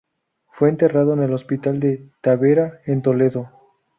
Fue enterrado en el Hospital de Tavera en Toledo.